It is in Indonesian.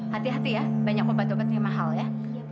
hati hati ya banyak obat obat yang mahal ya